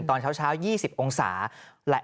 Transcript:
ตอนเช้า๒๐องศา